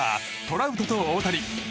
ラウトと大谷。